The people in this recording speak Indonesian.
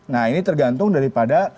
nah ini tergantung daripada